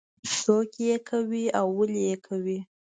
څوک یې کوي او ولې یې کوي.